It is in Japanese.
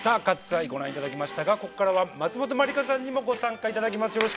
「カッツ・アイ」ご覧いただきましたがここからは松本まりかさんにもご参加いただきます。